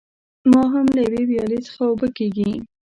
بیا هم له یوې ویالې څخه اوبه کېږي.